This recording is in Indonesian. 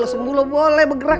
lo sembuh lo boleh bergerak